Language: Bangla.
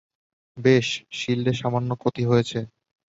বেশ, শিল্ডে সামান্য ক্ষতি হয়েছে।